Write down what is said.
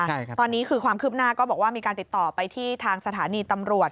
ใช่ครับตอนนี้คือความคืบหน้าก็บอกว่ามีการติดต่อไปที่ทางสถานีตำรวจ